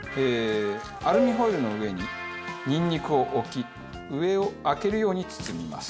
アルミホイルの上ににんにくを置き上を開けるように包みます。